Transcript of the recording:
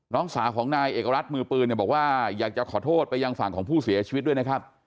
น้องสาวของนายเอกรัฐมือปืนเนี่ยบอกว่าอยากจะขอโทษไปยังฝั่งของผู้เสียชีวิตด้วยนะครับ